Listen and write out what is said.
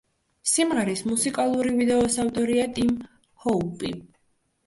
სიმღერის მუსიკალური ვიდეოს ავტორია ტიმ ჰოუპი.